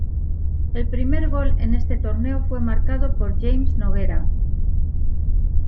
El primer gol en este torneo fue marcado por James Noguera.